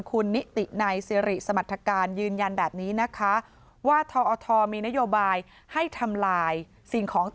ควรนิติในสิริสมรรถการณ์ยืนยันแบบนี้ว่าทอมีนโยบายให้ทำลายสิ่งของ